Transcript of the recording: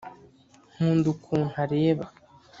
nkunda ukuntu areba